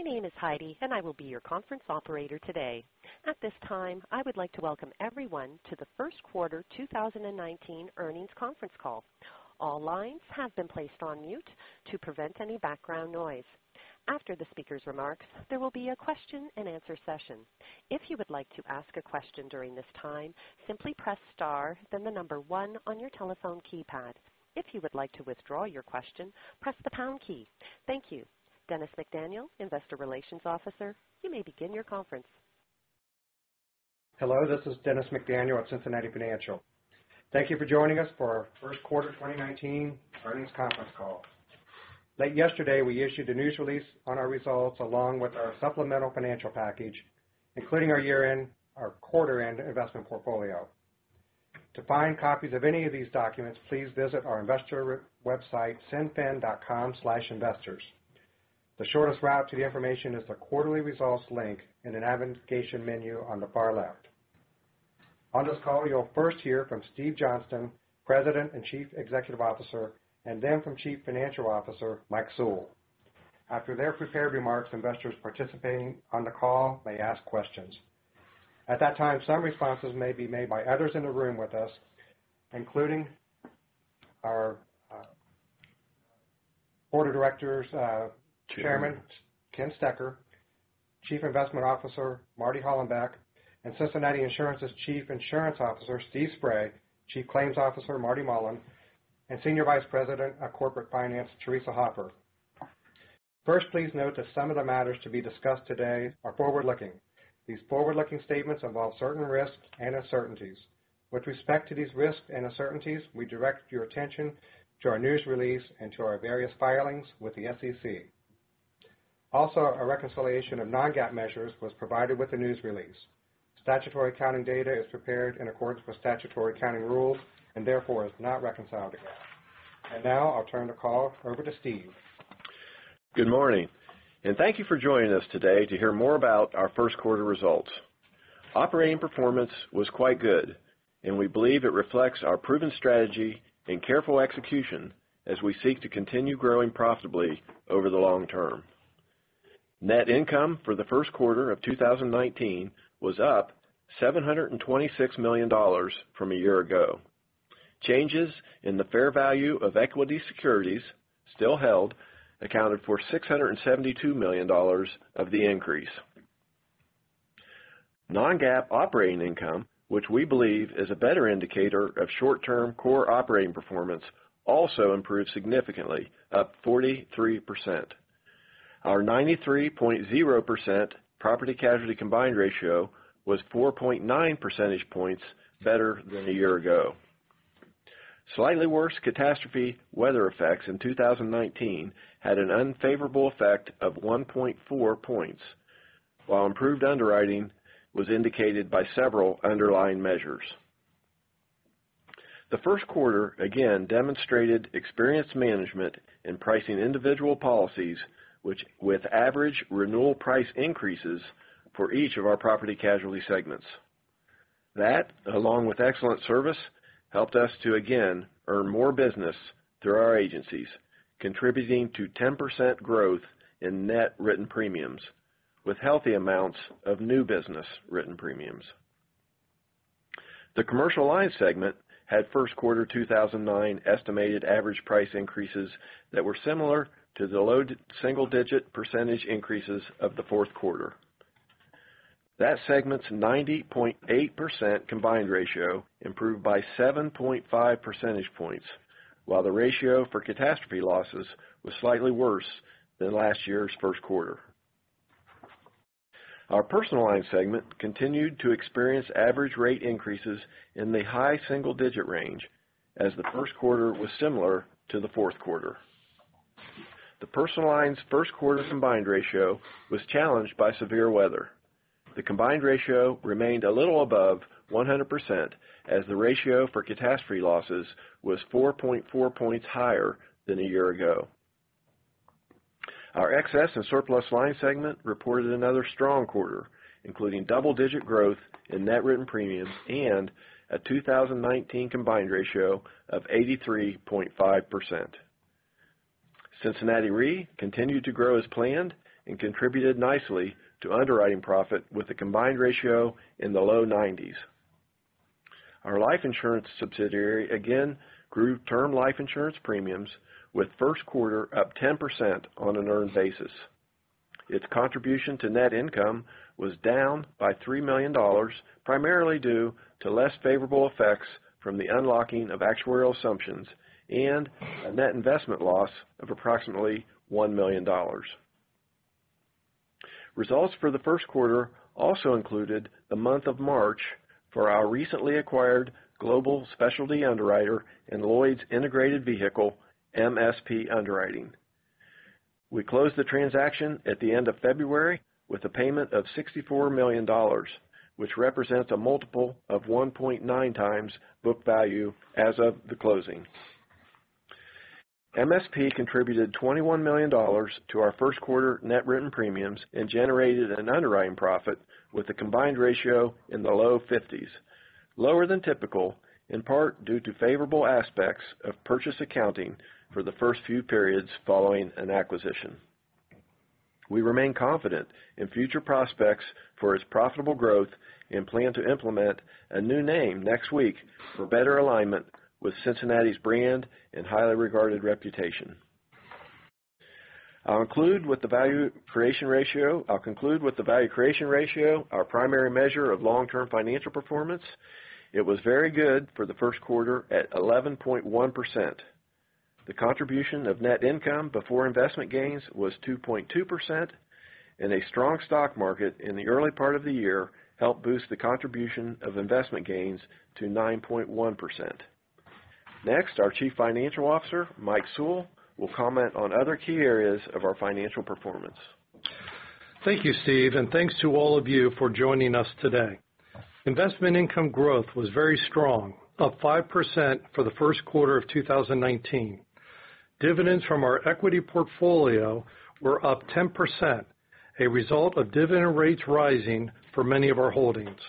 Good morning. My name is Heidi, and I will be your conference operator today. At this time, I would like to welcome everyone to the first quarter 2019 earnings conference call. All lines have been placed on mute to prevent any background noise. After the speaker's remarks, there will be a question and answer session. If you would like to ask a question during this time, simply press star, then the number one on your telephone keypad. If you would like to withdraw your question, press the pound key. Thank you. Dennis McDaniel, Investor Relations Officer, you may begin your conference. Hello, this is Dennis McDaniel at Cincinnati Financial. Thank you for joining us for our first quarter 2019 earnings conference call. Late yesterday, we issued a news release on our results along with our supplemental financial package, including our quarter-end investment portfolio. To find copies of any of these documents, please visit our investor website, cinfin.com/investors. The shortest route to the information is the quarterly results link in the navigation menu on the far left. On this call, you'll first hear from Steve Johnston, President and Chief Executive Officer, and then from Chief Financial Officer Mike Sewell. After their prepared remarks, investors participating on the call may ask questions. At that time, some responses may be made by others in the room with us, including our Chairman of the Board, Ken Stoecker, Chief Investment Officer Marty Hollenbeck, and Cincinnati Insurance's Chief Insurance Officer Steve Spray, Chief Claims Officer Marty Mullen, and Senior Vice President of Corporate Finance Theresa Hoffer. First, please note that some of the matters to be discussed today are forward-looking. These forward-looking statements involve certain risks and uncertainties. With respect to these risks and uncertainties, we direct your attention to our news release and to our various filings with the SEC. Also, a reconciliation of non-GAAP measures was provided with the news release. Statutory accounting data is prepared in accordance with statutory accounting rules and therefore is not reconciled to GAAP. Now I'll turn the call over to Steve. Good morning. Thank you for joining us today to hear more about our first quarter results. Operating performance was quite good, and we believe it reflects our proven strategy and careful execution as we seek to continue growing profitably over the long term. Net income for the first quarter of 2019 was up $726 million from a year ago. Changes in the fair value of equity securities still held accounted for $672 million of the increase. Non-GAAP operating income, which we believe is a better indicator of short-term core operating performance, also improved significantly, up 43%. Our 93.0% property-casualty combined ratio was 4.9 percentage points better than a year ago. Slightly worse catastrophe weather effects in 2019 had an unfavorable effect of 1.4 points, while improved underwriting was indicated by several underlying measures. The first quarter again demonstrated experienced management in pricing individual policies with average renewal price increases for each of our property-casualty segments. That, along with excellent service, helped us to again earn more business through our agencies, contributing to 10% growth in net written premiums, with healthy amounts of new business written premiums. The commercial lines segment had first quarter 2019 estimated average price increases that were similar to the low single-digit % increases of the fourth quarter. That segment's 90.8% combined ratio improved by 7.5 percentage points, while the ratio for catastrophe losses was slightly worse than last year's first quarter. Our personal line segment continued to experience average rate increases in the high single-digit % range, as the first quarter was similar to the fourth quarter. The personal lines first quarter combined ratio was challenged by severe weather. The combined ratio remained a little above 100% as the ratio for catastrophe losses was 4.4 points higher than a year ago. Our E&S line segment reported another strong quarter, including double-digit growth in net written premiums and a 2019 combined ratio of 83.5%. Cincinnati Re continued to grow as planned and contributed nicely to underwriting profit with a combined ratio in the low 90s. Our life insurance subsidiary again grew term life insurance premiums with first quarter up 10% on an earned basis. Its contribution to net income was down by $3 million, primarily due to less favorable effects from the unlocking of actuarial assumptions and a net investment loss of approximately $1 million. Results for the first quarter also included the month of March for our recently acquired global specialty underwriter and Lloyd's integrated vehicle, MSP Underwriting. We closed the transaction at the end of February with a payment of $64 million, which represents a multiple of 1.9 times book value as of the closing. MSP contributed $21 million to our first quarter net written premiums and generated an underwriting profit with a combined ratio in the low 50s, lower than typical in part due to favorable aspects of purchase accounting for the first few periods following an acquisition. We remain confident in future prospects for its profitable growth and plan to implement a new name next week for better alignment with Cincinnati's brand and highly regarded reputation. I'll conclude with the value creation ratio, our primary measure of long-term financial performance. It was very good for the first quarter at 11.1%. The contribution of net income before investment gains was 2.2%, and a strong stock market in the early part of the year helped boost the contribution of investment gains to 9.1%. Next, our Chief Financial Officer, Mike Sewell, will comment on other key areas of our financial performance. Thank you, Steve, and thanks to all of you for joining us today. Investment income growth was very strong, up 5% for the first quarter of 2019. Dividends from our equity portfolio were up 10%, a result of dividend rates rising for many of our holdings.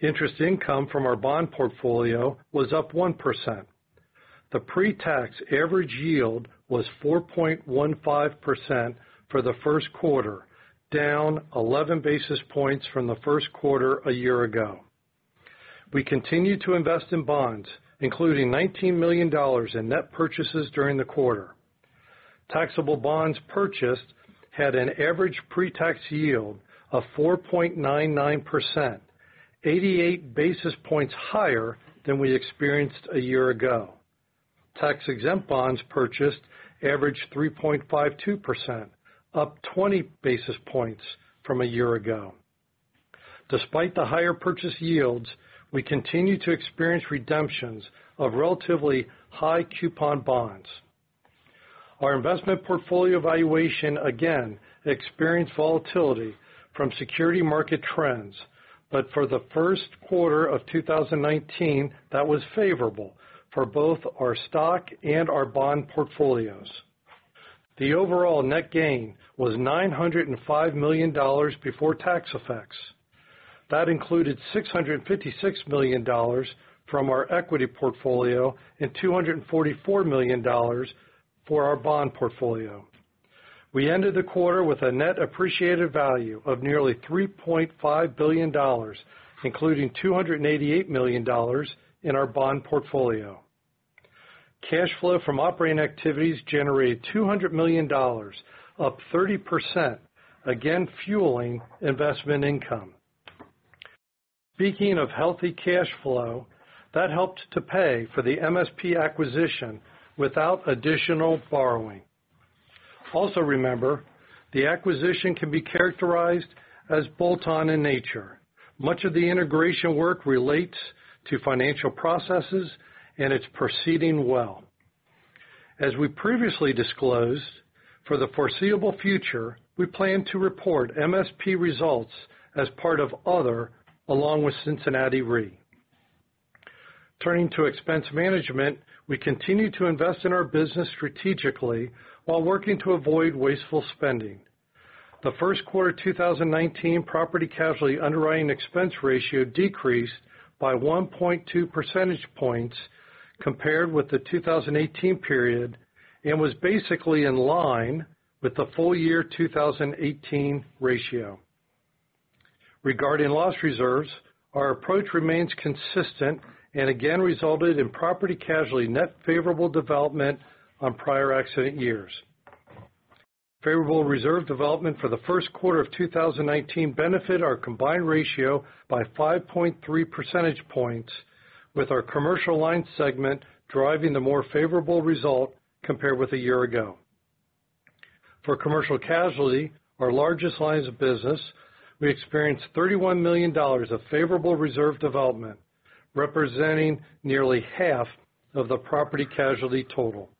Interest income from our bond portfolio was up 1%. The pre-tax average yield was 4.15% for the first quarter, down 11 basis points from the first quarter a year ago. We continued to invest in bonds, including $19 million in net purchases during the quarter. Taxable bonds purchased had an average pre-tax yield of 4.99%, 88 basis points higher than we experienced a year ago. Tax-exempt bonds purchased averaged 3.52%, up 20 basis points from a year ago. Despite the higher purchase yields, we continue to experience redemptions of relatively high coupon bonds. Our investment portfolio valuation again experienced volatility from security market trends, but for the first quarter of 2019, that was favorable for both our stock and our bond portfolios. The overall net gain was $905 million before tax effects. That included $656 million from our equity portfolio and $244 million for our bond portfolio. We ended the quarter with a net appreciated value of nearly $3.5 billion, including $288 million in our bond portfolio. Cash flow from operating activities generated $200 million, up 30%, again fueling investment income. Speaking of healthy cash flow, that helped to pay for the MSP acquisition without additional borrowing. Also remember, the acquisition can be characterized as bolt-on in nature. Much of the integration work relates to financial processes, and it's proceeding well. As we previously disclosed, for the foreseeable future, we plan to report MSP results as part of other along with Cincinnati Re. Turning to expense management, we continue to invest in our business strategically while working to avoid wasteful spending. The first quarter 2019 property casualty underwriting expense ratio decreased by 1.2 percentage points compared with the 2018 period and was basically in line with the full year 2018 ratio. Regarding loss reserves, our approach remains consistent and again resulted in property casualty net favorable development on prior accident years. Favorable reserve development for the first quarter of 2019 benefit our combined ratio by 5.3 percentage points with our commercial line segment driving the more favorable result compared with a year ago. For commercial casualty, our largest lines of business, we experienced $31 million of favorable reserve development, representing nearly half of the property casualty total.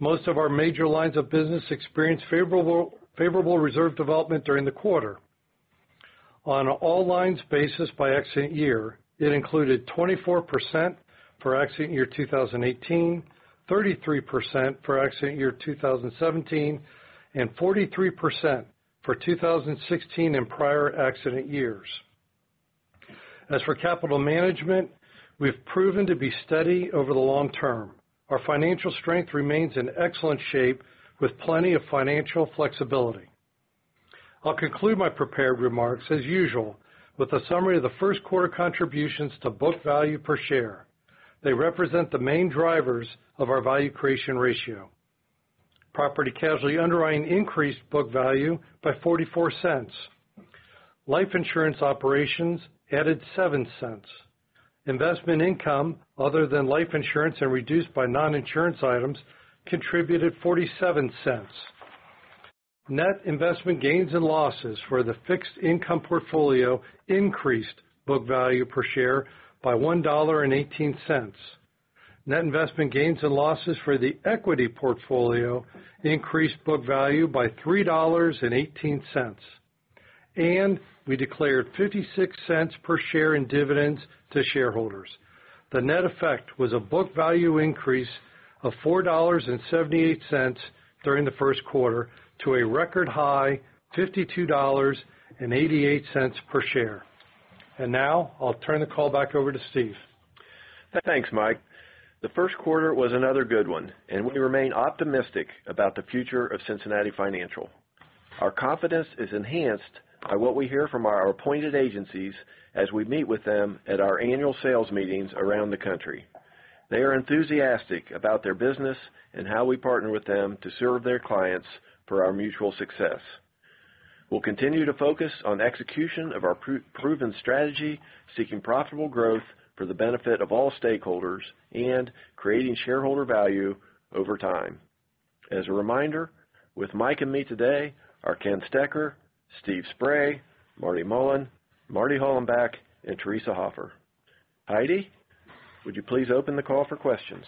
Most of our major lines of business experienced favorable reserve development during the quarter. On an all lines basis by accident year, it included 24% for accident year 2018, 33% for accident year 2017, and 43% for 2016 and prior accident years. As for capital management, we've proven to be steady over the long term. Our financial strength remains in excellent shape with plenty of financial flexibility. I'll conclude my prepared remarks as usual with a summary of the first quarter contributions to book value per share. They represent the main drivers of our value creation ratio. Property casualty underwriting increased book value by $0.44. Life insurance operations added $0.07. Investment income other than life insurance and reduced by non-insurance items contributed $0.47. Net investment gains and losses for the fixed income portfolio increased book value per share by $1.18. Net investment gains and losses for the equity portfolio increased book value by $3.18. We declared $0.56 per share in dividends to shareholders. The net effect was a book value increase of $4.78 during the first quarter to a record high $52.88 per share. Now I'll turn the call back over to Steve. Thanks, Mike. The first quarter was another good one, and we remain optimistic about the future of Cincinnati Financial. Our confidence is enhanced by what we hear from our appointed agencies as we meet with them at our annual sales meetings around the country. They are enthusiastic about their business and how we partner with them to serve their clients for our mutual success. We'll continue to focus on execution of our proven strategy, seeking profitable growth for the benefit of all stakeholders and creating shareholder value over time. As a reminder, with Mike and me today are Ken Stoecker, Steve Spray, Marty Mullen, Marty Hollenbeck, and Theresa Hoffer. Heidi, would you please open the call for questions?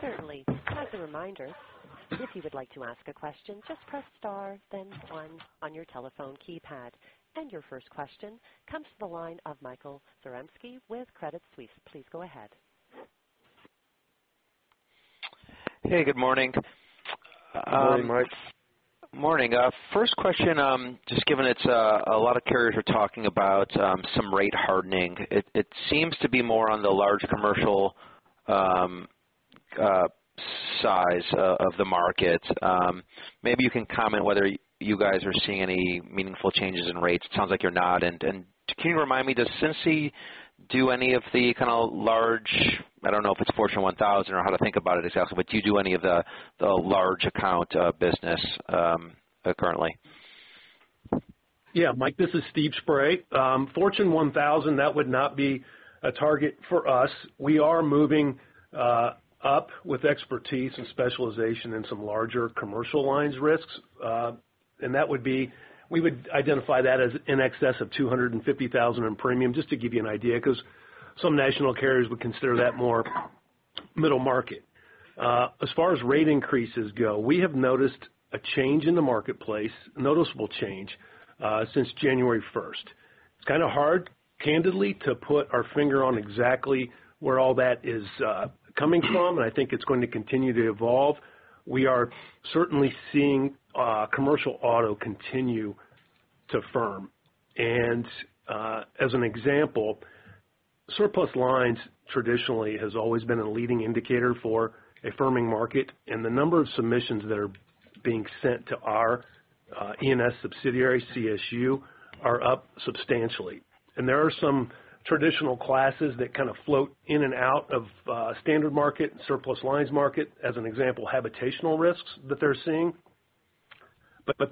Certainly. As a reminder, if you would like to ask a question, just press star, then one on your telephone keypad. Your first question comes to the line of Michael Zaremski with Credit Suisse. Please go ahead. Hey, good morning. Good morning, Mike. Morning. First question. Just given a lot of carriers are talking about some rate hardening. It seems to be more on the large commercial size of the market. Maybe you can comment whether you guys are seeing any meaningful changes in rates. Sounds like you're not. Can you remind me, does Cincy do any of the large, I don't know if it's Fortune 1000 or how to think about it exactly, but do you do any of the large account business currently? Yeah, Mike, this is Steve Spray. Fortune 1000, that would not be a target for us. We are moving up with expertise and specialization in some larger commercial lines risks. We would identify that as in excess of 250,000 in premium, just to give you an idea, because some national carriers would consider that more middle market. As far as rate increases go, we have noticed a change in the marketplace, noticeable change, since January 1st. It's kind of hard, candidly, to put our finger on exactly where all that is coming from, and I think it's going to continue to evolve. We are certainly seeing commercial auto continue to firm. As an example, surplus lines traditionally has always been a leading indicator for a firming market, and the number of submissions that are being sent to our E&S subsidiary, CSU, are up substantially. There are some traditional classes that kind of float in and out of standard market and surplus lines market, as an example, habitational risks that they're seeing.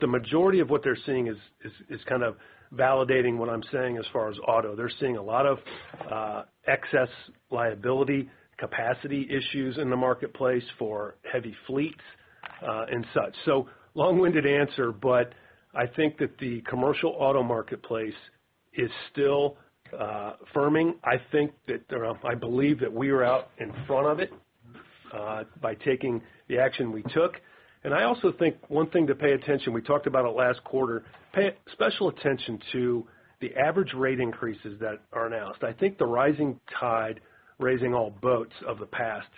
The majority of what they're seeing is kind of validating what I'm saying as far as auto. They're seeing a lot of excess liability capacity issues in the marketplace for heavy fleets and such. Long-winded answer, but I think that the commercial auto marketplace is still firming. I believe that we are out in front of it by taking the action we took. I also think one thing to pay attention, we talked about it last quarter, pay special attention to the average rate increases that are announced. I think the rising tide raising all boats of the past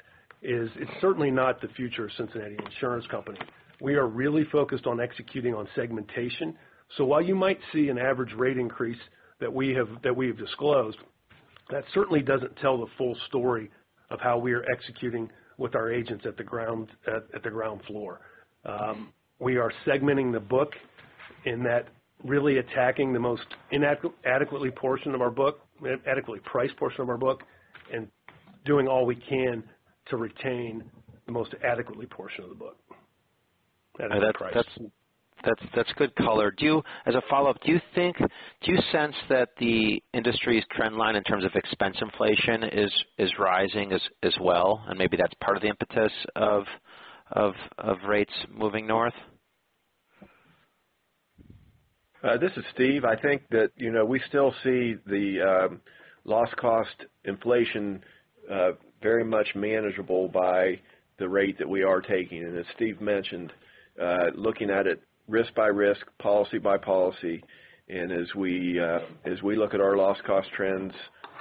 is certainly not the future of The Cincinnati Insurance Company. We are really focused on executing on segmentation. While you might see an average rate increase that we have disclosed, that certainly doesn't tell the full story of how we are executing with our agents at the ground floor. We are segmenting the book and that really attacking adequately priced portion of our book, and doing all we can to retain the most adequately portion of the book at a price. That's good color. As a follow-up, do you sense that the industry's trend line in terms of expense inflation is rising as well? Maybe that's part of the impetus of rates moving north. This is Steve. I think that we still see the loss cost inflation very much manageable by the rate that we are taking. As Steve mentioned, looking at it risk by risk, policy by policy, and as we look at our loss cost trends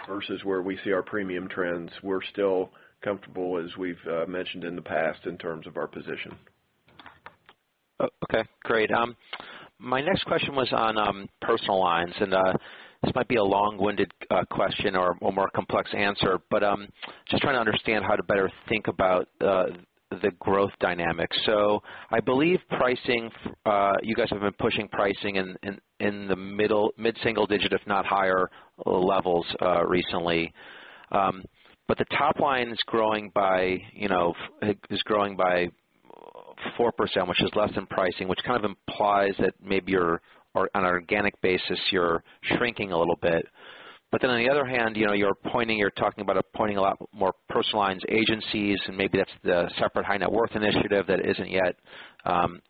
versus where we see our premium trends, we're still comfortable, as we've mentioned in the past, in terms of our position. Okay, great. My next question was on personal lines, and this might be a long-winded question or more complex answer, but just trying to understand how to better think about the growth dynamics. I believe you guys have been pushing pricing in the mid-single digit, if not higher levels recently. The top line is growing by 4%, which is less than pricing, which kind of implies that maybe on an organic basis, you're shrinking a little bit. On the other hand, you're talking about appointing a lot more personal lines agencies, and maybe that's the separate high net worth initiative that isn't yet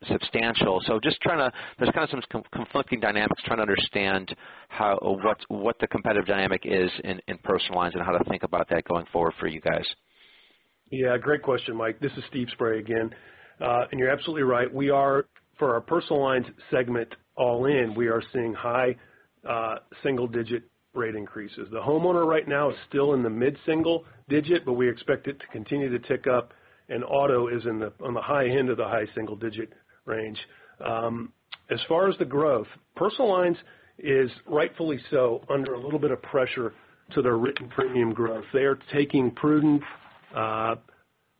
substantial. There's kind of some conflicting dynamics, trying to understand what the competitive dynamic is in personal lines and how to think about that going forward for you guys. Yeah, great question, Mike. This is Steve Spray again. You're absolutely right. For our personal lines segment all in, we are seeing high single-digit rate increases. The homeowner right now is still in the mid-single digit, but we expect it to continue to tick up and auto is on the high end of the high single-digit range. As far as the growth, personal lines is rightfully so under a little bit of pressure to their written premium growth. They are taking prudent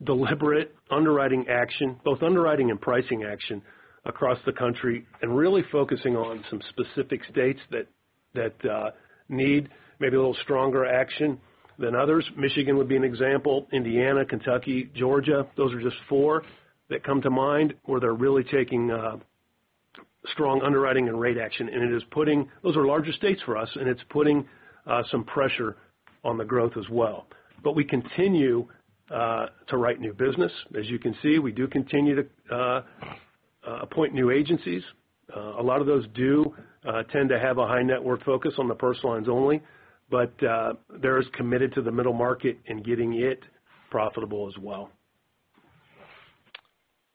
deliberate underwriting action, both underwriting and pricing action across the country, really focusing on some specific states that need maybe a little stronger action than others. Michigan would be an example. Indiana, Kentucky, Georgia, those are just four that come to mind where they're really taking strong underwriting and rate action. Those are larger states for us, and it's putting some pressure on the growth as well. We continue to write new business. As you can see, we do continue to appoint new agencies. A lot of those do tend to have a high net worth focus on the personal lines only, but they're as committed to the middle market and getting it profitable as well.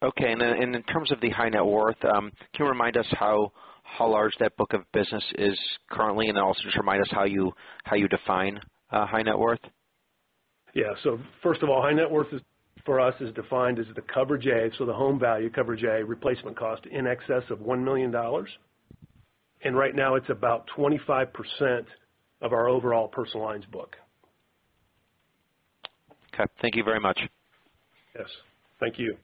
Okay. In terms of the high net worth, can you remind us how large that book of business is currently? Also just remind us how you define high net worth. Yeah. First of all, high net worth for us is defined as the coverage A, so the home value coverage A replacement cost in excess of $1 million. Right now, it's about 25% of our overall personal lines book. Okay. Thank you very much. Yes. Thank you.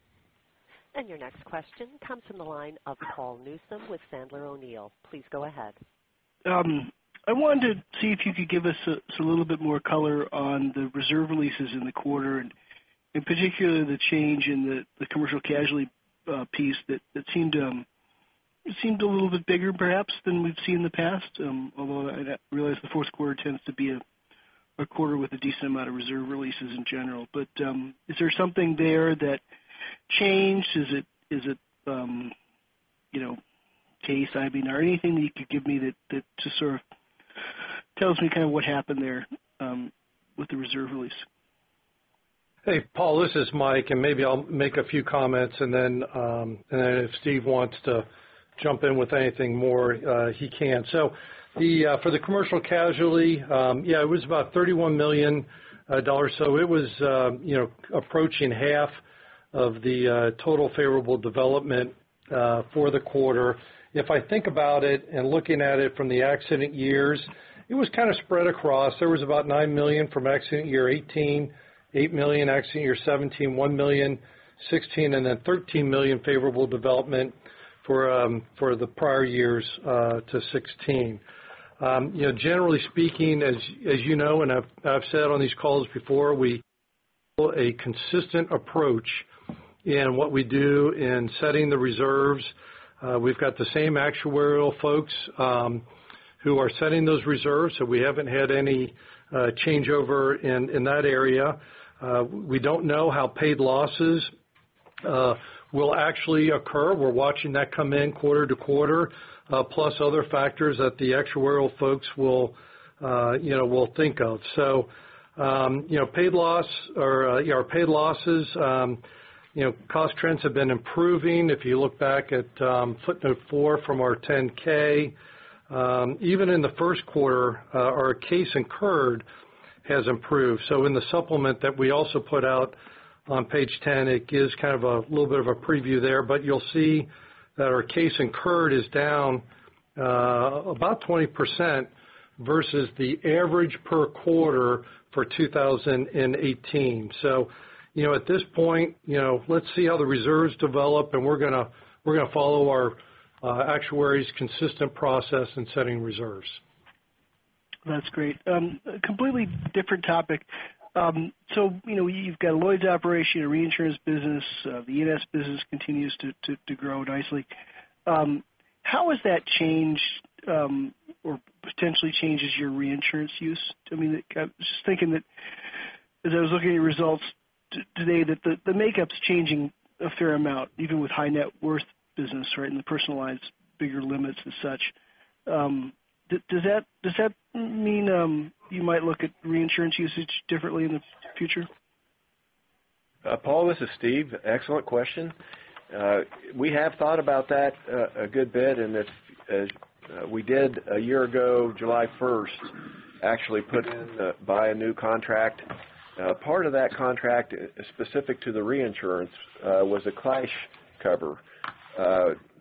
Your next question comes from the line of Paul Newsome with Sandler O'Neill. Please go ahead. I wanted to see if you could give us just a little bit more color on the reserve releases in the quarter, in particular, the change in the commercial casualty piece that seemed a little bit bigger perhaps than we've seen in the past. I realize the fourth quarter tends to be a quarter with a decent amount of reserve releases in general. Is there something there that changed? Is it case IBNR? Anything that you could give me that just sort of tells me kind of what happened there with the reserve release? Hey, Paul, this is Mike, and maybe I'll make a few comments. Then if Steve wants to jump in with anything more, he can. For the commercial casualty, yeah, it was about $31 million, so it was approaching half of the total favorable development for the quarter. If I think about it and looking at it from the accident years, it was kind of spread across. There was about $9 million from accident year 2018, $8 million accident year 2017, $1 million 2016, and then $13 million favorable development for the prior years to 2016. Generally speaking, as you know, I've said on these calls before, we pull a consistent approach in what we do in setting the reserves. We've got the same actuarial folks who are setting those reserves, so we haven't had any changeover in that area. We don't know how paid losses will actually occur. We're watching that come in quarter to quarter, plus other factors that the actuarial folks will think of. Paid losses, cost trends have been improving. If you look back at footnote four from our 10-K, even in the first quarter our case incurred has improved. In the supplement that we also put out on page 10, it gives kind of a little bit of a preview there. You'll see that our case incurred is down about 20% versus the average per quarter for 2018. At this point, let's see how the reserves develop, and we're going to follow our actuaries' consistent process in setting reserves. That's great. A completely different topic. You've got a Lloyd's operation, a reinsurance business. The U.S. business continues to grow nicely. How has that changed or potentially changes your reinsurance use? I was just thinking that as I was looking at your results today, that the makeup's changing a fair amount, even with high net worth business, right, and the personal lines, bigger limits and such. Does that mean you might look at reinsurance usage differently in the future? Paul, this is Steve. Excellent question. We have thought about that a good bit. As we did a year ago, July 1st, actually put in to buy a new contract. Part of that contract specific to the reinsurance was a clash cover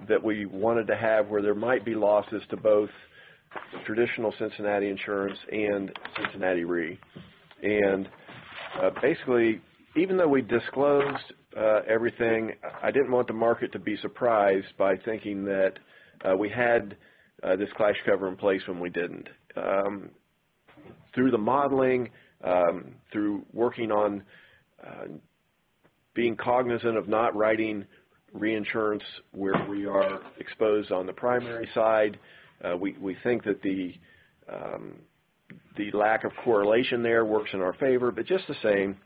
that we wanted to have where there might be losses to both traditional Cincinnati Insurance and Cincinnati Re. Basically, even though we disclosed everything, I didn't want the market to be surprised by thinking that we had this clash cover in place when we didn't. Through the modeling, through working on being cognizant of not writing reinsurance where we are exposed on the primary side, we think that the lack of correlation there works in our favor. Just the same,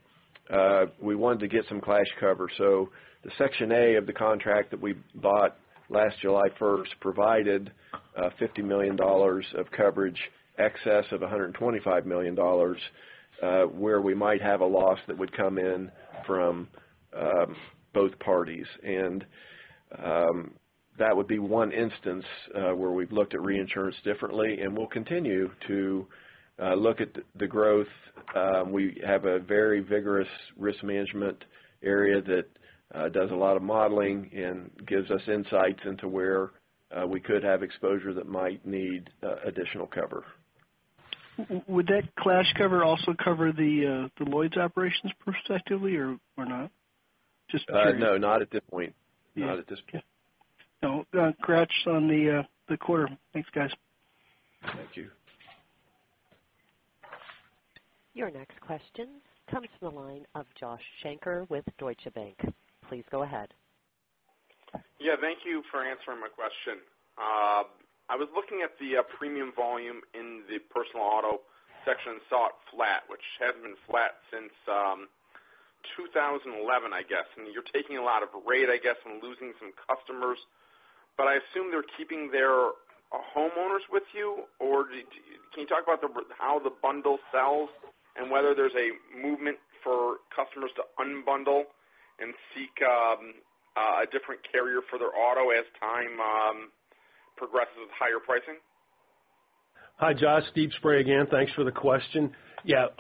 we wanted to get some clash cover. The Section A of the contract that we bought last July 1st provided $50 million of coverage excess of $125 million where we might have a loss that would come in from both parties. That would be one instance where we've looked at reinsurance differently, and we'll continue to look at the growth. We have a very vigorous risk management area that does a lot of modeling and gives us insights into where we could have exposure that might need additional cover. Would that clash cover also cover the Lloyd's operations prospectively or not? Just curious. No, not at this point. Yeah. Not at this point. No. Congrats on the quarter. Thanks, guys. Thank you. Your next question comes from the line of Josh Shanker with Deutsche Bank. Please go ahead. Yeah. Thank you for answering my question. I was looking at the premium volume in the personal auto section and saw it flat, which hasn't been flat since 2011, I guess. You're taking a lot of rate, I guess, and losing some customers. I assume they're keeping their homeowners with you or can you talk about how the bundle sells and whether there's a movement for customers to unbundle and seek a different carrier for their auto as time progresses with higher pricing? Hi, Josh. Steve Spray again. Thanks for the question.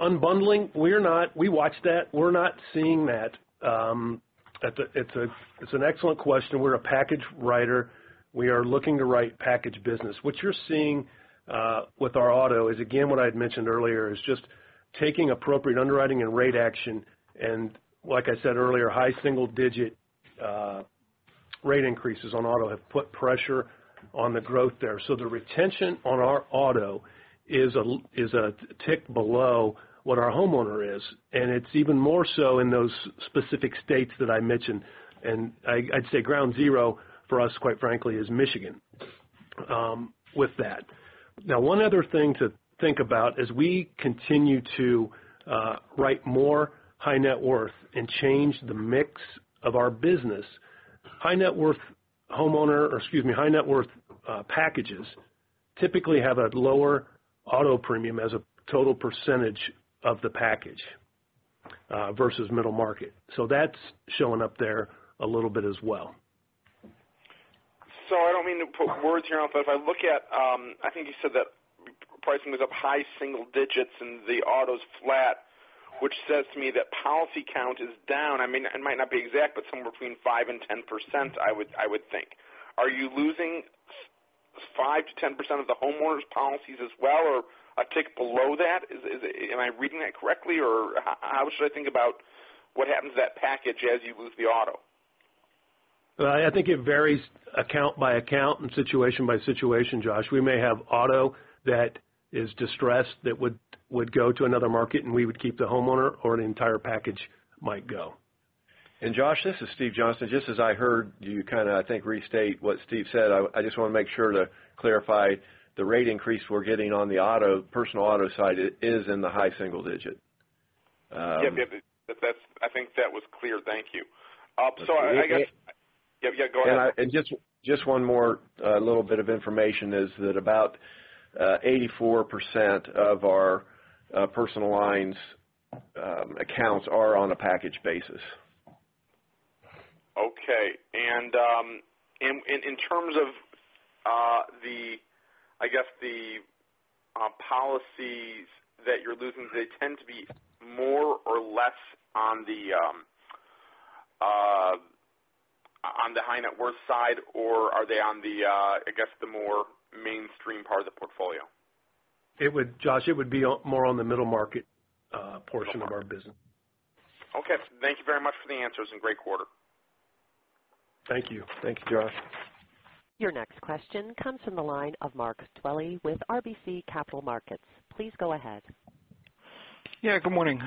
Unbundling, we watch that. We're not seeing that. It's an excellent question. We're a package writer. We are looking to write package business. What you're seeing with our auto is, again, what I had mentioned earlier, is just taking appropriate underwriting and rate action, and like I said earlier, high single-digit rate increases on auto have put pressure on the growth there. The retention on our auto is a tick below what our homeowner is, and it's even more so in those specific states that I mentioned. I'd say ground zero for us, quite frankly, is Michigan with that. One other thing to think about, as we continue to write more high net worth and change the mix of our business, high net worth packages typically have a lower auto premium as a total percentage of the package versus middle market. That's showing up there a little bit as well. I don't mean to put words here, but if I look at, I think you said that pricing was up high single digits and the auto's flat, which says to me that policy count is down. It might not be exact, but somewhere between 5% and 10%, I would think. Are you losing 5% to 10% of the homeowners policies as well, or a tick below that? Am I reading that correctly? How should I think about what happens to that package as you lose the auto? I think it varies account by account and situation by situation, Josh. We may have auto that is distressed that would go to another market, and we would keep the homeowner or an entire package might go. Josh, this is Steven J. Johnston. Just as I heard you kind of, I think, restate what Steve said, I just want to make sure to clarify, the rate increase we're getting on the personal auto side is in the high single digit. Yep. I think that was clear. Thank you. Steve, may I? Yeah, go ahead. just one more little bit of information is that about 84% of our personal lines accounts are on a package basis. Okay. In terms of the policies that you're losing, do they tend to be more or less on the high net worth side, or are they on the more mainstream part of the portfolio? Josh, it would be more on the middle market portion of our business. Okay. Thank you very much for the answers, and great quarter. Thank you. Thank you, Josh. Your next question comes from the line of Mark Dwelle with RBC Capital Markets. Please go ahead. Yeah, good morning.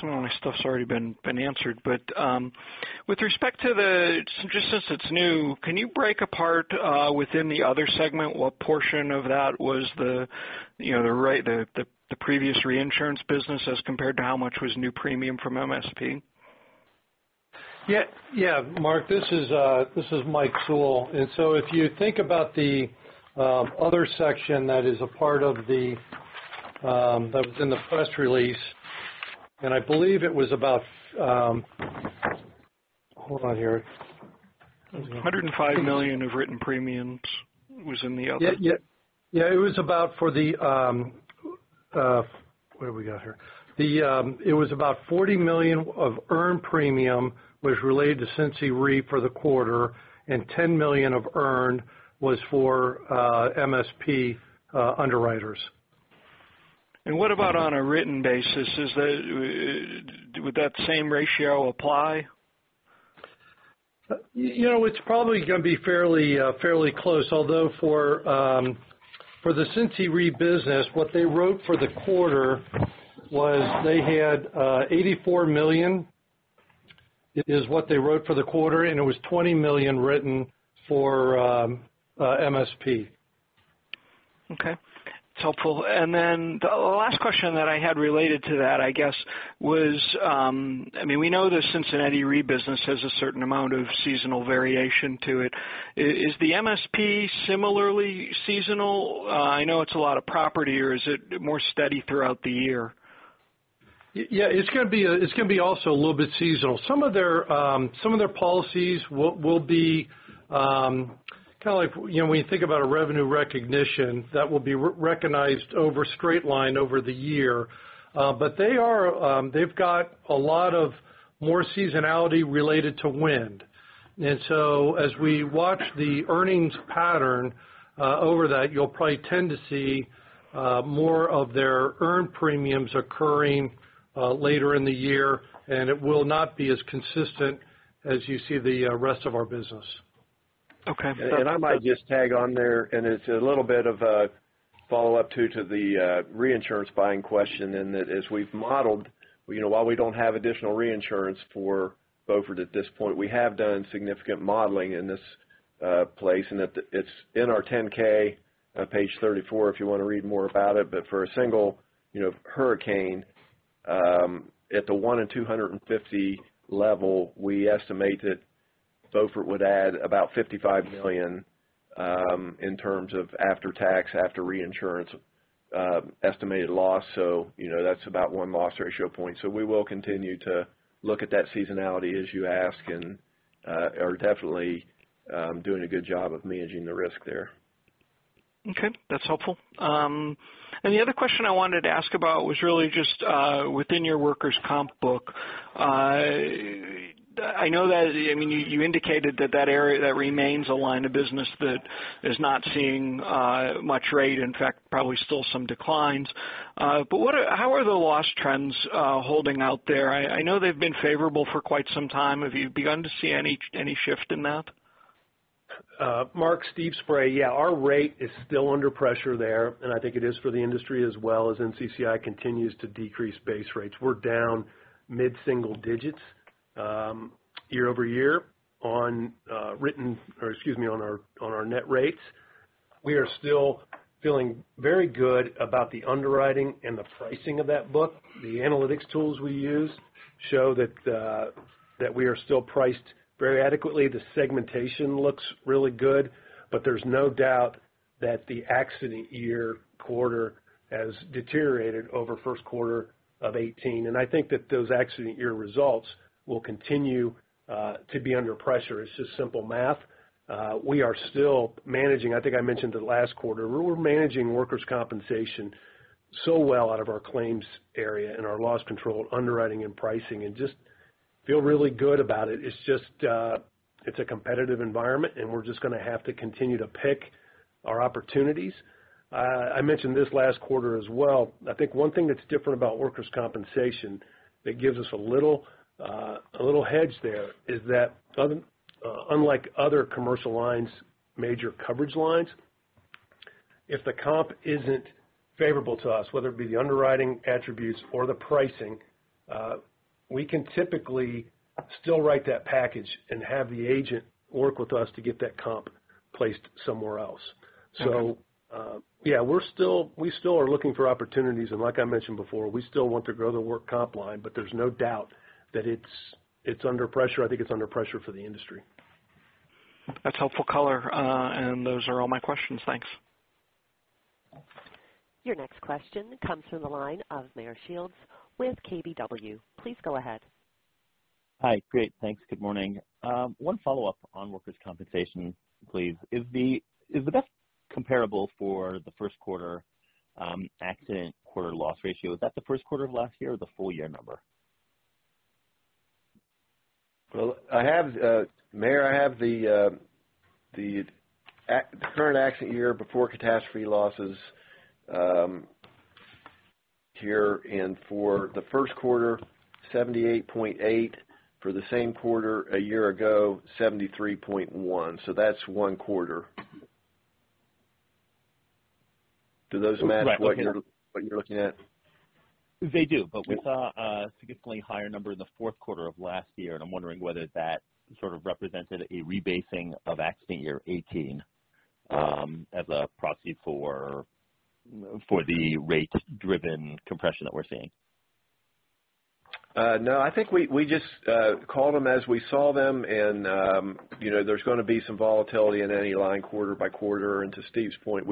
Some of my stuff's already been answered. With respect to the, just since it's new, can you break apart within the other segment what portion of that was the previous reinsurance business as compared to how much was new premium from MSP? Yeah. Mark, this is Mike Sewell. If you think about the other section that was in the press release, I believe it was about-- Hold on here. $105 million of written premiums was in the other. Yeah. What have we got here? It was about $40 million of earned premium was related to Cincinnati Re for the quarter, $10 million of earned was for MSP underwriters. What about on a written basis? Would that same ratio apply? It's probably going to be fairly close. Although for the Cincy Re business, what they wrote for the quarter was they had $84 million, is what they wrote for the quarter, and it was $20 million written for MSP. Okay. It's helpful. The last question that I had related to that, I guess was, we know the Cincinnati Re business has a certain amount of seasonal variation to it. Is the MSP similarly seasonal? I know it's a lot of property, or is it more steady throughout the year? Yeah. It's going to be also a little bit seasonal. Some of their policies will be kind of like when you think about a revenue recognition, that will be recognized over straight line over the year. They've got a lot of seasonality related to wind. As we watch the earnings pattern over that, you'll probably tend to see more of their earned premiums occurring later in the year, and it will not be as consistent as you see the rest of our business. Okay. I might just tag on there, and it's a little bit of a follow-up too to the reinsurance buying question in that as we've modeled, while we don't have additional reinsurance for Beaufort at this point, we have done significant modeling in this place and it's in our 10-K on page 34 if you want to read more about it. For a single hurricane, at the 1 in 250 level, we estimate that Beaufort would add about $55 million in terms of after-tax, after-reinsurance estimated loss. That's about one loss ratio point. We will continue to look at that seasonality as you ask and are definitely doing a good job of managing the risk there. Okay, that's helpful. The other question I wanted to ask about was really just within your workers' comp book. I know that you indicated that that area, that remains a line of business that is not seeing much rate, in fact, probably still some declines. How are the loss trends holding out there? I know they've been favorable for quite some time. Have you begun to see any shift in that? Mark, Steve Spray. Yeah, our rate is still under pressure there, and I think it is for the industry as well as NCCI continues to decrease base rates. We're down mid-single digits year-over-year on our net rates. We are still feeling very good about the underwriting and the pricing of that book. The analytics tools we use show that we are still priced very adequately. The segmentation looks really good. There's no doubt that the accident year quarter has deteriorated over first quarter of 2018. I think that those accident year results will continue to be under pressure. It's just simple math. We are still managing, I think I mentioned it last quarter, we're managing workers' compensation so well out of our claims area and our loss control, underwriting, and pricing, and just feel really good about it. It's a competitive environment and we're just going to have to continue to pick our opportunities. I mentioned this last quarter as well. I think one thing that's different about workers' compensation that gives us a little hedge there is that unlike other commercial lines, major coverage lines, if the comp isn't favorable to us, whether it be the underwriting attributes or the pricing, we can typically still write that package and have the agent work with us to get that comp placed somewhere else. Okay. Yeah, we still are looking for opportunities. Like I mentioned before, we still want to grow the work comp line, there's no doubt that it's under pressure. I think it's under pressure for the industry. That's helpful color. Those are all my questions, thanks. Your next question comes from the line of Meyer Shields with KBW. Please go ahead. Hi. Great. Thanks. Good morning. One follow-up on workers' compensation, please. Is the best comparable for the first quarter accident quarter loss ratio, is that the first quarter of last year or the full year number? Meyer, I have the current accident year before catastrophe losses here. For the first quarter, 78.8. For the same quarter a year ago, 73.1. That's one quarter. Do those match what you're looking at? They do. We saw a significantly higher number in the fourth quarter of last year, and I'm wondering whether that sort of represented a rebasing of accident year 2018 as a proxy for the rate-driven compression that we're seeing. No, I think we just called them as we saw them, there's going to be some volatility in any line quarter by quarter. To Steve's point,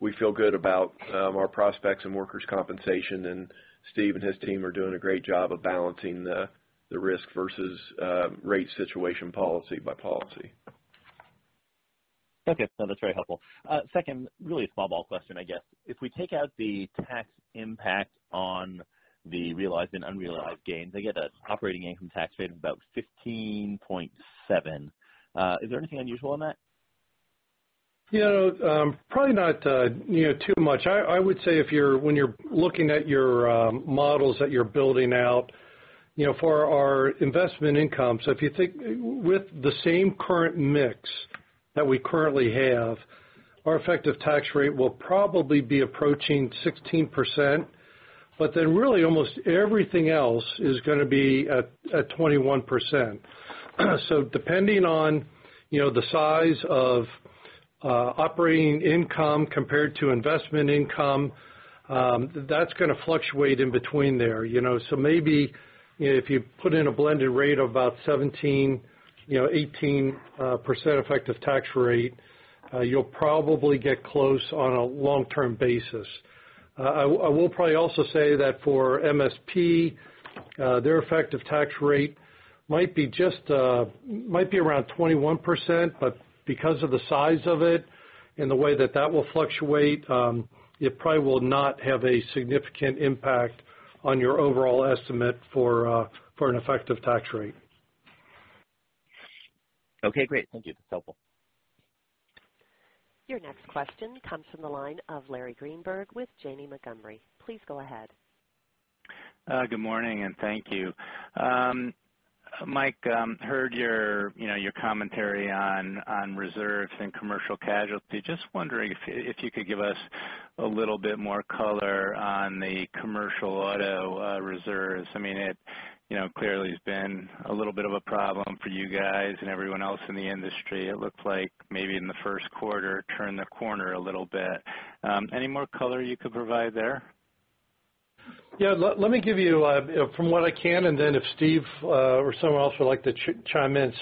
we feel good about our prospects in workers' compensation, Steve and his team are doing a great job of balancing the risk versus rate situation policy by policy. Okay. No, that's very helpful. Second, really a small ball question, I guess. If we take out the tax impact on the realized and unrealized gains, I get an operating income tax rate of about 15.7%. Is there anything unusual in that? Probably not too much. I would say when you're looking at your models that you're building out for our investment income. If you think with the same current mix that we currently have, our effective tax rate will probably be approaching 16%, really almost everything else is going to be at 21%. Depending on the size of operating income compared to investment income, that's going to fluctuate in between there. Maybe if you put in a blended rate of about 17%, 18% effective tax rate, you'll probably get close on a long-term basis. I will probably also say that for MSP, their effective tax rate Might be around 21%, but because of the size of it and the way that that will fluctuate, it probably will not have a significant impact on your overall estimate for an effective tax rate. Okay, great. Thank you. That's helpful. Your next question comes from the line of Larry Greenberg with Janney Montgomery. Please go ahead. Good morning, and thank you. Mike, heard your commentary on reserves and commercial casualty. Just wondering if you could give us a little bit more color on the commercial auto reserves. It clearly has been a little bit of a problem for you guys and everyone else in the industry. It looked like maybe in the first quarter, turned the corner a little bit. Any more color you could provide there? Yeah. Let me give you from what I can, then if Steve or someone else would like to chime in.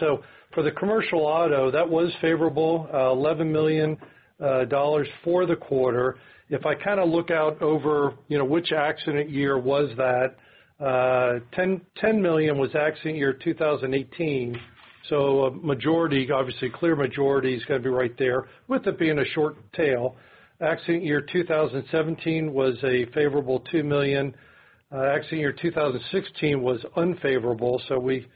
For the commercial auto, that was favorable, $11 million for the quarter. If I look out over which accident year was that, $10 million was accident year 2018. Majority, obviously clear majority, is going to be right there, with it being a short tail. Accident year 2017 was a favorable $2 million. Accident year 2016 was unfavorable, so we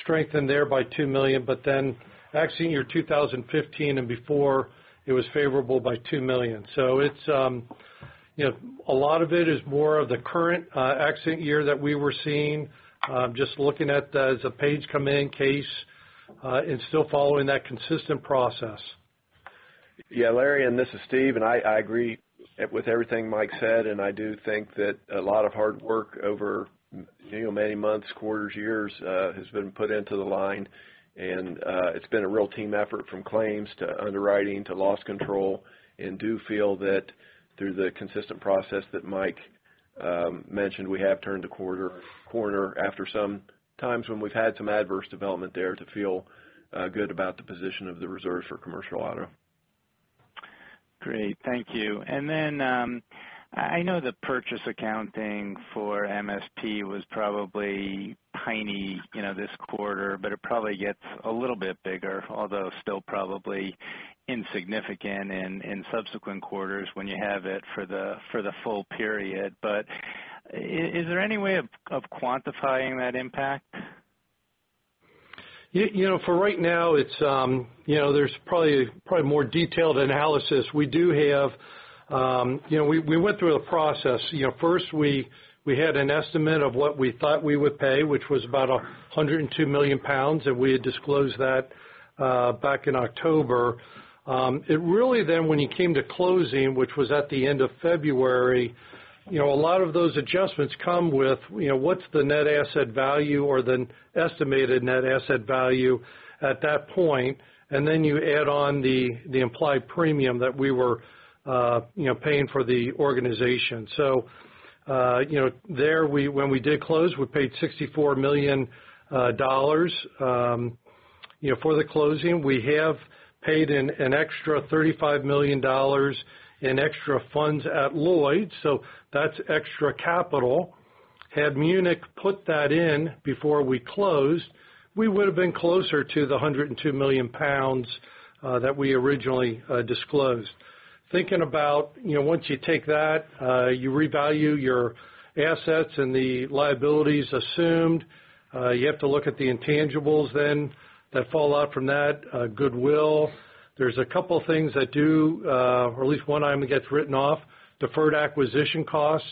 strengthened there by $2 million. Then accident year 2015 and before, it was favorable by $2 million. A lot of it is more of the current accident year that we were seeing. Just looking at those, the page come in case, still following that consistent process. Yeah, Larry, this is Steve, I agree with everything Mike said, I do think that a lot of hard work over many months, quarters, years, has been put into the line. It's been a real team effort from claims to underwriting to loss control, do feel that through the consistent process that Mike mentioned, we have turned a corner after some times when we've had some adverse development there to feel good about the position of the reserves for commercial auto. Great. Thank you. Then, I know the purchase accounting for MSP was probably tiny this quarter, it probably gets a little bit bigger, although still probably insignificant in subsequent quarters when you have it for the full period. Is there any way of quantifying that impact? For right now, there's probably more detailed analysis. We went through a process. First, we had an estimate of what we thought we would pay, which was about 102 million pounds, we had disclosed that back in October. It really then when you came to closing, which was at the end of February, a lot of those adjustments come with, what's the net asset value or the estimated net asset value at that point? Then you add on the implied premium that we were paying for the organization. There, when we did close, we paid $64 million for the closing. We have paid an extra $35 million in extra funds at Lloyd's. That's extra capital. Had Munich put that in before we closed, we would've been closer to the 102 million pounds that we originally disclosed. Thinking about once you take that, you revalue your assets and the liabilities assumed. You have to look at the intangibles then that fall out from that goodwill. There are a couple things that do, or at least one item gets written off, deferred acquisition costs.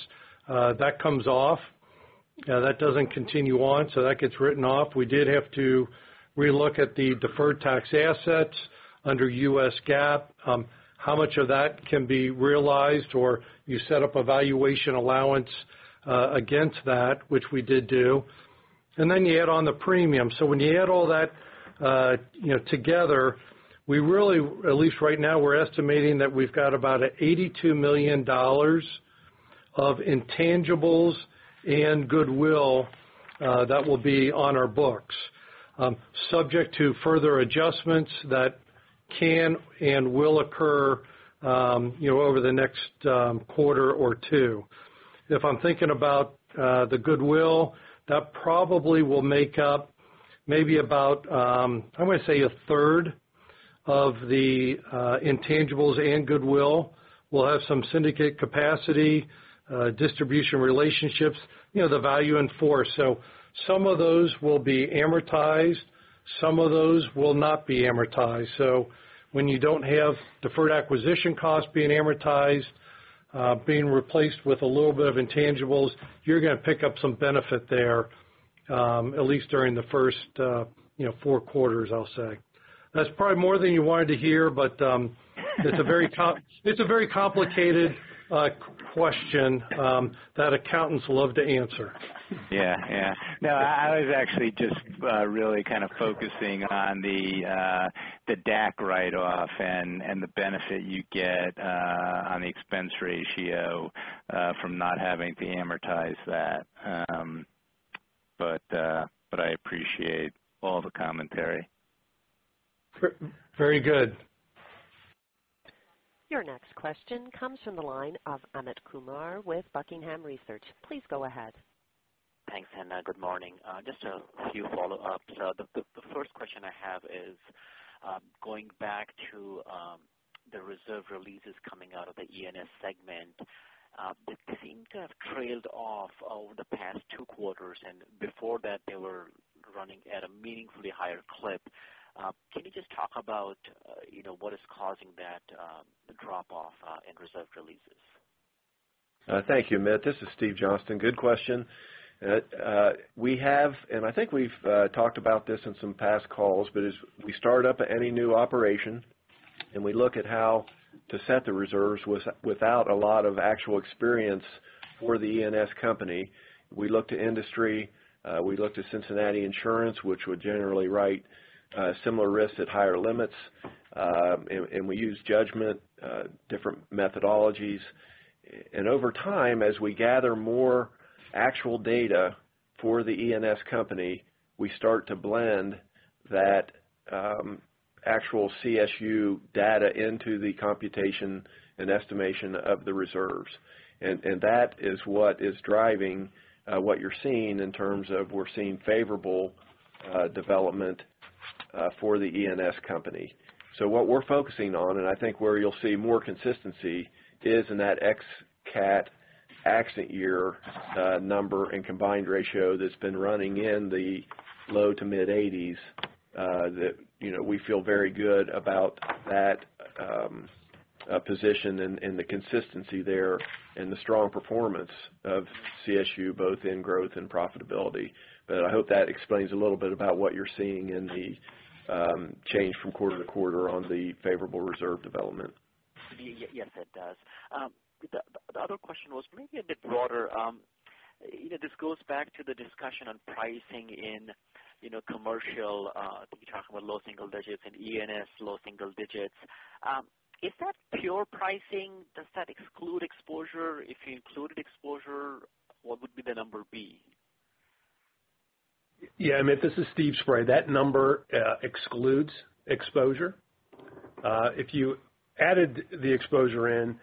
That comes off. That does not continue on, so that gets written off. We did have to re-look at the deferred tax assets under U.S. GAAP, how much of that can be realized, or you set up a valuation allowance against that, which we did do. You add on the premium. When you add all that together, at least right now, we are estimating that we have got about $82 million of intangibles and goodwill that will be on our books, subject to further adjustments that can and will occur over the next quarter or two. If I am thinking about the goodwill, that probably will make up maybe about, I am going to say a third of the intangibles and goodwill. We will have some syndicate capacity, distribution relationships, the value in force. Some of those will be amortized. Some of those will not be amortized. When you do not have deferred acquisition costs being amortized, being replaced with a little bit of intangibles, you are going to pick up some benefit there, at least during the first four quarters, I will say. That is probably more than you wanted to hear, it is a very complicated question that accountants love to answer. Yeah. No, I was actually just really kind of focusing on the DAC write-off and the benefit you get on the expense ratio from not having to amortize that. I appreciate all the commentary. Very good. Your next question comes from the line of Amit Kumar with The Buckingham Research Group. Please go ahead. Thanks, Anna. Good morning. Just a few follow-ups. The first question I have is, going back to the reserve releases coming out of the E&S segment. They seem to have trailed off over the past two quarters. Before that they were running at a meaningfully higher clip. Can you just talk about what is causing that drop-off in reserve releases? Thank you, Amit. This is Steven Johnston. Good question. I think we've talked about this in some past calls. As we start up any new operation and we look at how to set the reserves without a lot of actual experience for the E&S company, we look to industry, we look to The Cincinnati Insurance Company, which would generally write similar risks at higher limits, and we use judgment, different methodologies. Over time, as we gather more actual data for the E&S company, we start to blend that actual CSU data into the computation and estimation of the reserves. That is what is driving what you're seeing in terms of we're seeing favorable development for the E&S company. What we're focusing on, and I think where you'll see more consistency, is in that ex cat accident year number and combined ratio that's been running in the low to mid eighties. That we feel very good about that position and the consistency there and the strong performance of CSU, both in growth and profitability. I hope that explains a little bit about what you're seeing in the change from quarter to quarter on the favorable reserve development. Yes, it does. The other question was maybe a bit broader. This goes back to the discussion on pricing in commercial. You're talking about low single digits in E&S, low single digits. Is that pure pricing? Does that exclude exposure? If you included exposure, what would the number be? Yeah, Amit, this is Steve Spray. That number excludes exposure. If you added the exposure in,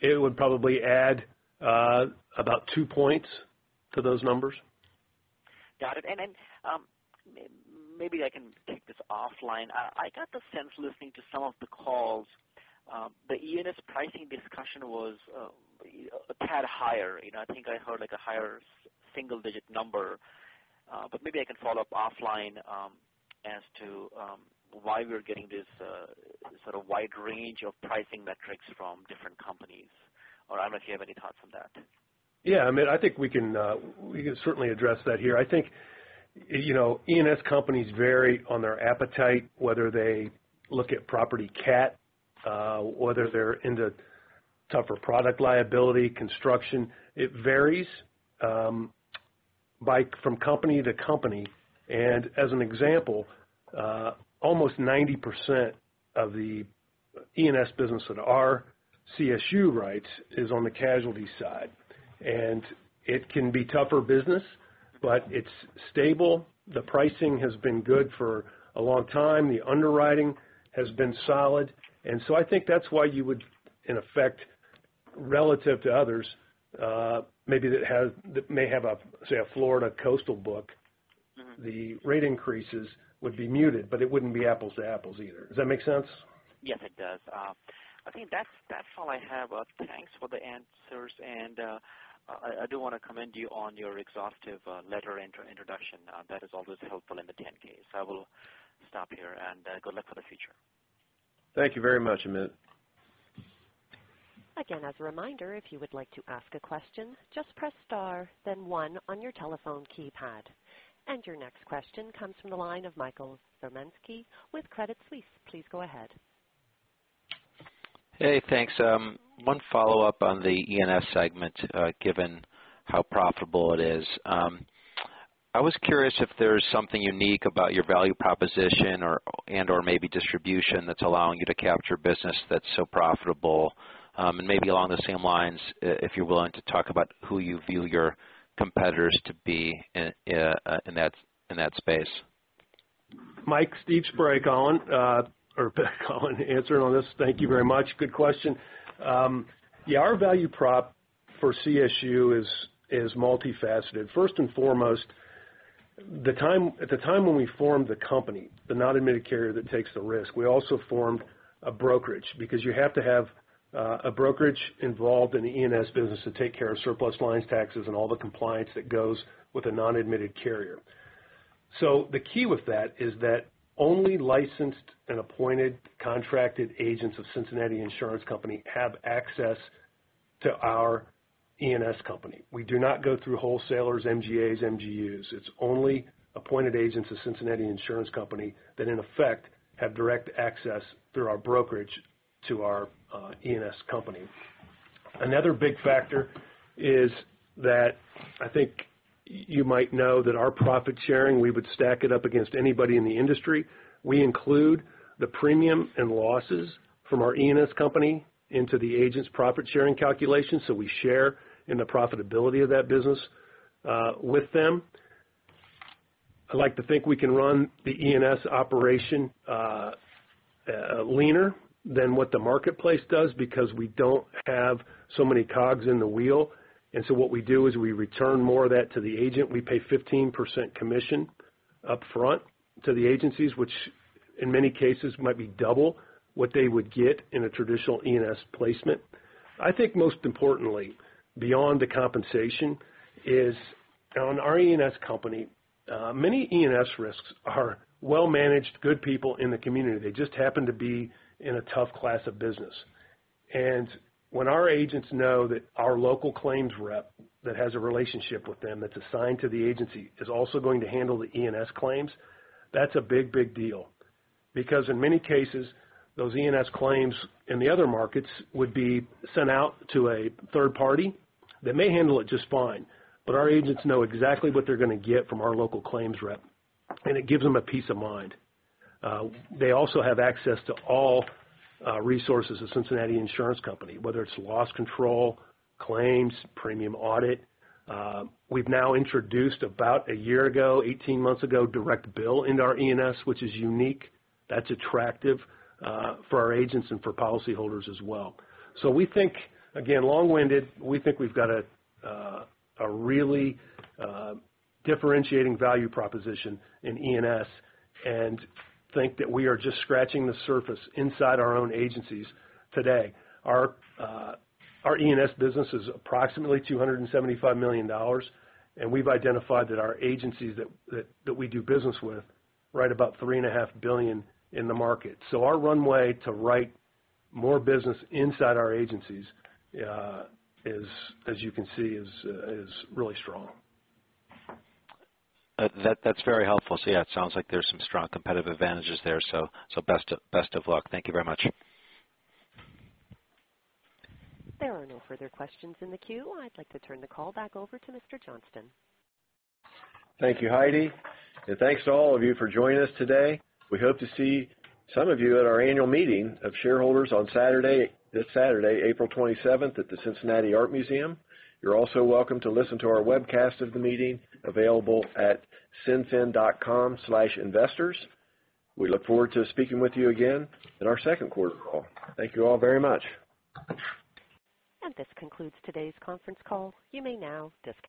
it would probably add about two points to those numbers. Got it. Maybe I can take this offline. I got the sense, listening to some of the calls, the E&S pricing discussion was a tad higher. I think I heard a higher single-digit number. Maybe I can follow up offline as to why we're getting this sort of wide range of pricing metrics from different companies. Amit, do you have any thoughts on that? Yeah, Amit, I think we can certainly address that here. I think E&S companies vary on their appetite, whether they look at property cat, whether they're into tougher product liability construction. It varies from company to company. As an example, almost 90% of the E&S business that our CSU writes is on the casualty side. It can be tougher business, but it's stable. The pricing has been good for a long time. The underwriting has been solid. I think that's why you would, in effect, relative to others, maybe that may have, say, a Florida coastal book. the rate increases would be muted, but it wouldn't be apples to apples either. Does that make sense? Yes, it does. I think that's all I have. Thanks for the answers. I do want to commend you on your exhaustive letter introduction. That is always helpful in the 10-Ks. I will stop here and good luck for the future. Thank you very much, Amit. Again, as a reminder, if you would like to ask a question, just press star, then one on your telephone keypad. Your next question comes from the line of Michael Zaremski with Credit Suisse. Please go ahead. Hey, thanks. One follow-up on the E&S segment, given how profitable it is. I was curious if there's something unique about your value proposition and/or maybe distribution that's allowing you to capture business that's so profitable. Maybe along the same lines, if you're willing to talk about who you view your competitors to be in that space. Mike, Steve Spray calling. Or back calling, answering on this. Thank you very much. Good question. Yeah, our value prop for CSU is multifaceted. First and foremost, at the time when we formed the company, the non-admitted carrier that takes the risk, we also formed a brokerage because you have to have a brokerage involved in the E&S business to take care of surplus lines, taxes, and all the compliance that goes with a non-admitted carrier. The key with that is that only licensed and appointed contracted agents of The Cincinnati Insurance Company have access to our E&S company. We do not go through wholesalers, MGAs, MGUs. It's only appointed agents of The Cincinnati Insurance Company that, in effect, have direct access through our brokerage to our E&S company. Another big factor is that I think you might know that our profit sharing, we would stack it up against anybody in the industry. We include the premium and losses from our E&S company into the agent's profit-sharing calculation. We share in the profitability of that business with them. I'd like to think we can run the E&S operation leaner than what the marketplace does because we don't have so many cogs in the wheel. What we do is we return more of that to the agent. We pay 15% commission upfront to the agencies, which in many cases might be double what they would get in a traditional E&S placement. I think most importantly, beyond the compensation is, on our E&S company, many E&S risks are well-managed, good people in the community. They just happen to be in a tough class of business. When our agents know that our local claims rep that has a relationship with them, that's assigned to the agency, is also going to handle the E&S claims, that's a big deal. Because in many cases, those E&S claims in the other markets would be sent out to a third party that may handle it just fine, but our agents know exactly what they're going to get from our local claims rep, and it gives them a peace of mind. They also have access to all resources of The Cincinnati Insurance Company, whether it's loss control, claims, premium audit. We've now introduced about a year ago, 18 months ago, direct bill into our E&S, which is unique. That's attractive for our agents and for policyholders as well. We think, again, long-winded, we think we've got a really differentiating value proposition in E&S and think that we are just scratching the surface inside our own agencies today. Our E&S business is approximately $275 million. We've identified that our agencies that we do business with write about $3.5 billion in the market. Our runway to write more business inside our agencies, as you can see, is really strong. That's very helpful. Yeah, it sounds like there's some strong competitive advantages there. Best of luck. Thank you very much. There are no further questions in the queue. I'd like to turn the call back over to Mr. Johnston. Thank you, Heidi. Thanks to all of you for joining us today. We hope to see some of you at our annual meeting of shareholders on this Saturday, April 27th at the Cincinnati Art Museum. You're also welcome to listen to our webcast of the meeting available at cinfin.com/investors. We look forward to speaking with you again in our second quarter call. Thank you all very much. This concludes today's conference call. You may now disconnect.